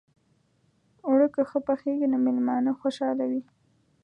اوړه که ښه پخېږي، نو میلمانه خوشحاله وي